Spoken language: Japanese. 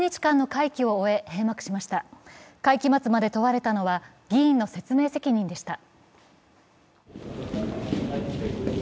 会期末まで問われたのは議員の説明責任でした。